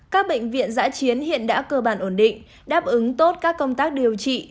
các bệnh viện giã chiến hiện đã cơ bản ổn định đáp ứng tốt các công tác điều trị